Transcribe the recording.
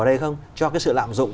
ở đây không cho cái sự lạm dụng